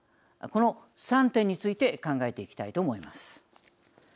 この３点について考えていきたいと思います。